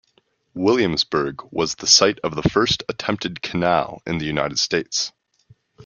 Williamsburg was the site of the first attempted canal in the United States.